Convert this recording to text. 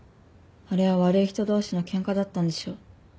あれは悪い人同士の喧嘩だったんでしょ？